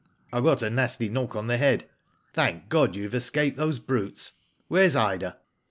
" I got a nasty knock on the head. Thank God you have escaped those brutes. Where is Ida?"